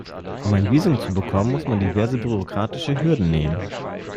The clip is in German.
Um ein Visum zu bekommen, muss man diverse bürokratische Hürden nehmen.